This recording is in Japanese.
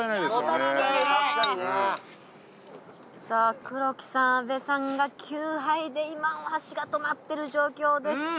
さぁ黒木さん阿部さんが９杯で今お箸が止まってる状況です。